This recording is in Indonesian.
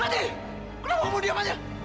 nanti kenapa kamu diam aja